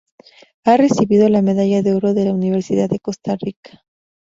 Ha recibido la Medalla de Oro de la Universidad de Costa Rica.